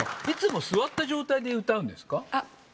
いつも座った状態で歌うんですか？